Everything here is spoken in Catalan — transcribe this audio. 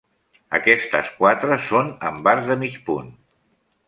Aquestes quatre són amb arc de mig punt.